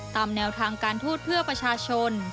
ตามแนวทางการทูตเพื่อประชาชน